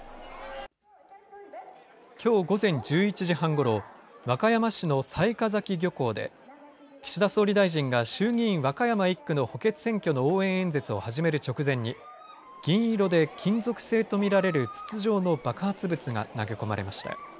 きょう午前１１時半ごろ和歌山市の雑賀崎漁港で岸田総理大臣が衆議院和歌山１区の補欠選挙の応援演説を始める直前に銀色で金属製と見られる筒状の爆発物が投げ込まれました。